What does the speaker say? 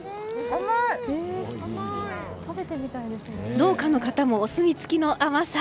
農家の方もお墨付きの甘さ。